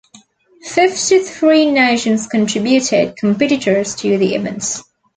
Fifty-three nations contributed competitors to the events.